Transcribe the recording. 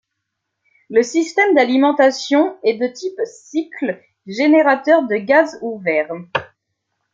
Le système d'alimentation est de type Cycle générateur de gaz ouvert.